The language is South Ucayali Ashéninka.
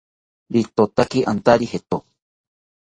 Ritotaki antari jeto